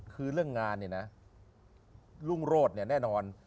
คือเรื่องงานเนี่ยนะรุ่งโรธเนี่ยแน่นอน